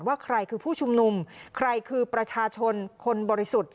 ว่าใครคือผู้ชุมนุมใครคือประชาชนคนบริสุทธิ์